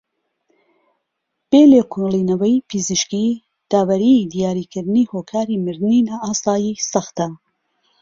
بێ لێکۆڵێنەوەی پزیشکی داوەریی دیاریکردنی هۆکاری مردنی نائاسایی سەختە